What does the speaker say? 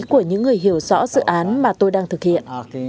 của những người hiểu rõ dự án mà tôi đang thực hiện